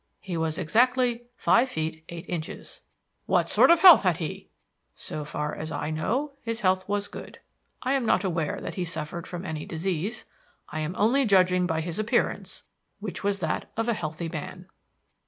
He was exactly five feet eight inches." "What sort of health had he?" "So far as I know his health was good. I am not aware that he suffered from any disease. I am only judging by his appearance, which was that of a healthy man."